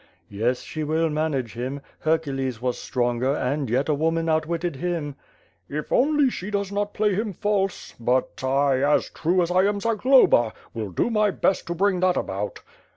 "Yes, she will manage him; Hercules was stronger, and yet a woman outwitted him." "If only she does not play him false, but I, as true as I am Zagloba, will do my best to bring that about."